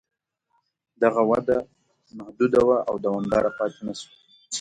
دغه وده محدوده وه او دوامداره پاتې نه شوه